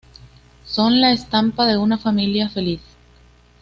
Son la estampa de una familia feliz.